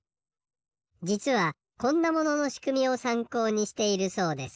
じつはこんなもののしくみをさんこうにしているそうです。